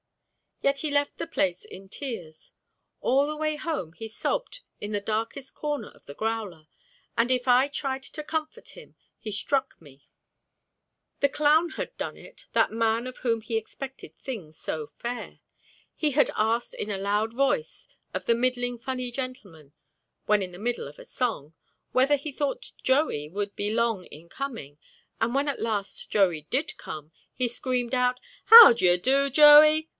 Yet he left the place in tears. All the way home he sobbed in the darkest corner of the growler, and if I tried to comfort him he struck me. The clown had done it, that man of whom he expected things so fair. He had asked in a loud voice of the middling funny gentleman (then in the middle of a song) whether he thought Joey would be long in coming, and when at last Joey did come he screamed out, "How do you do, Joey!"